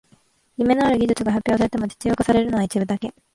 夢のある技術が発表されても実用化されるのは一部だけ